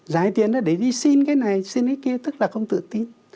giải tiền là để đi xin cái này xin cái kia tức là không tự tin